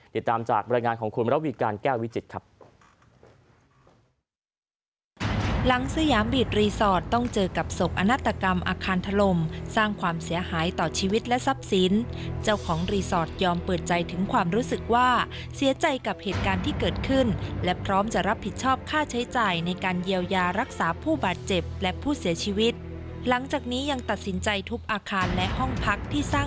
ติดตามจากบรรยายงานของคุณมรวีการแก้ววิจิตรครับ